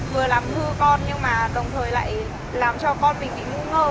vừa làm hư con nhưng mà đồng thời lại làm cho con mình bị ngu ngơ